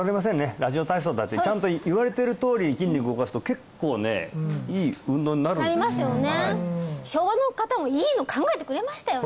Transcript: ラジオ体操だってちゃんと言われてるとおり筋肉を動かすと結構ねいい運動になるんですなりますよね